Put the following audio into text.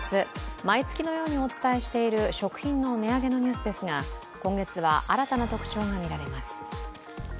毎月のようにお伝えしている食品の値上げのニュースですが今月は新たな特徴が見られます。